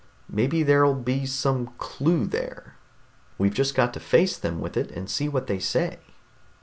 Maybe there'll be some clue there. We've just got to face them with it, and see what they say."